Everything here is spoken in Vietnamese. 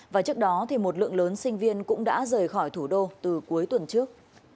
và trước đó một lượng lớn sinh viên cũng đã rời khỏi thủ đô từ cuối tuần trước